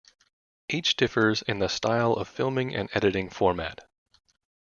Each differs in the style of filming and editing format.